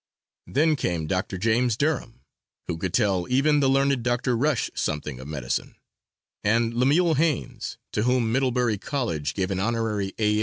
'" Then came Dr. James Derham, who could tell even the learned Dr. Rush something of medicine, and Lemuel Haynes, to whom Middlebury College gave an honorary A.